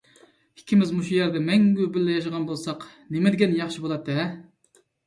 ئىككىمىز مۇشۇ يەردە مەڭگۈ بىللە ياشىغان بولساق نېمىدېگەن ياخشى بولاتتى-ھە!